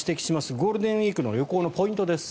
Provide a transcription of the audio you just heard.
ゴールデンウィークの旅行のポイントです。